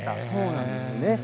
そうなんですね。